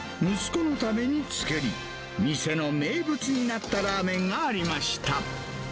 若いころのおかみが、息子のために作り、店の名物になったラーメンがありました。